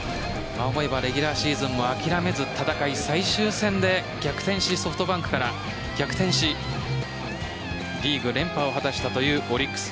思えばレギュラーシーズンも諦めず戦い最終戦でソフトバンクから逆転しリーグ連覇を果たしたというオリックス。